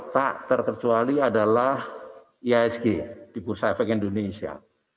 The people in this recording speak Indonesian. tak terkecuali adalah iasg di bursa efek indonesia